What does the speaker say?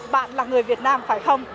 bạn là người việt nam phải không